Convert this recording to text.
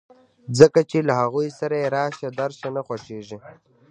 ځکه چې له هغوی سره يې راشه درشه نه خوښېږي.